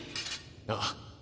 ああ。